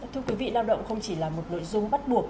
thưa quý vị lao động không chỉ là một nội dung bắt buộc